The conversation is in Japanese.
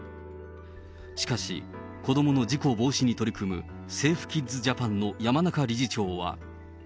しかし、子どもの事故防止に取り組むセーフ・キッズ・ジャパンの山中理事長は。